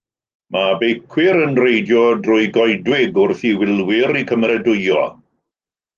Mae beicwyr yn reidio drwy goedwig wrth i wylwyr eu cymeradwyo